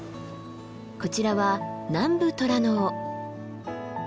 こちらはナンブトラノオ。